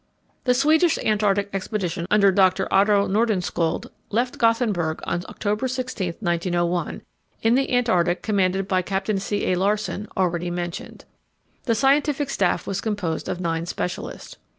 The Swedish Antarctic expedition under Dr. Otto Nordenskjöld left Gothenburg on October 16, 1901, in the Antarctic, commanded by Captain C. A. Larsen, already mentioned. The scientific staff was composed of nine specialists.